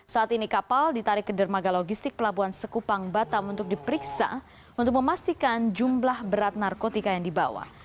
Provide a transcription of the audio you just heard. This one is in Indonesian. saat ini kapal ditarik ke dermaga logistik pelabuhan sekupang batam untuk diperiksa untuk memastikan jumlah berat narkotika yang dibawa